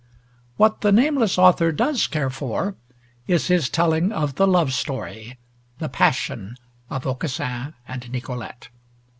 What the nameless author does care for, is his telling of the love story, the passion of Aucassin and Nicolete.